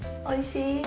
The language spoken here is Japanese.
おいしい？